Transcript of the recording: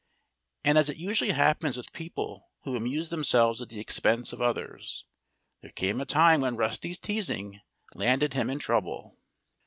And as it usually happens with people who amuse themselves at the expense of others, there came a time when Rusty's teasing landed him in trouble.